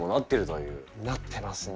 なってますね。